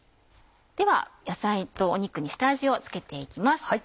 では野菜と肉に下味を付けて行きます。